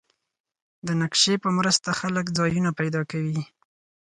د نقشې په مرسته خلک ځایونه پیدا کوي.